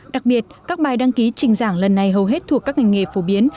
đặc biệt các bài đăng ký trình giảng lần này hầu hết thuộc các ngành nghề phổ biến